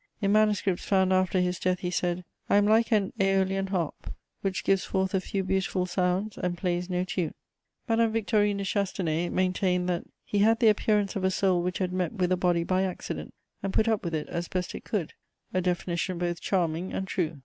In manuscripts found after his death, he said: "I am like an Æolian harp, which gives forth a few beautiful sounds and plays no tune." Madame Victorine de Chastenay maintained that "he had the appearance of a soul which had met with a body by accident, and put up with it as best it could:" a definition both charming and true.